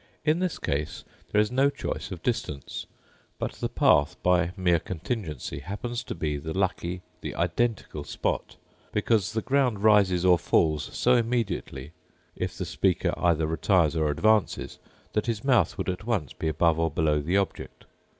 In this case there is no choice of distance; but the path, by mere contingency, happens to be the lucky, the identical spot, because the ground rises or falls so immediately, if the speaker either retires or advances, that his mouth would at once be above or below the object.